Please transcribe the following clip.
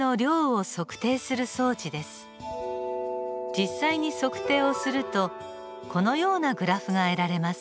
実際に測定をするとこのようなグラフが得られます。